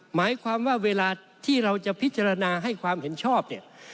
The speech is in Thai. หมายความว่าเวลาที่เราจะพิจารณาให้ความเห็นชอบเนี่ย